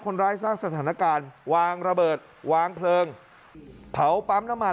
คนร้ายสร้างสถานการณ์วางระเบิดวางเพลิงเผาปั๊มน้ำมัน